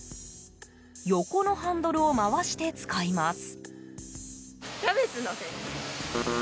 横のハンドルを回して使います。